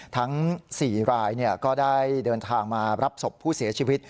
ทั้ง๔รายก็ได้เดินทางมารับศพผู้เสียชีวิต